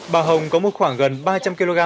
bà hồng có mua khoảng gần ba trăm linh kg